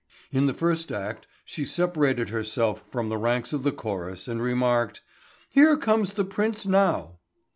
In the first act she separated herself from the ranks of the chorus and remarked "Here comes the prince now."